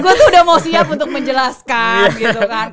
gue tuh udah mau siap untuk menjelaskan gitu kan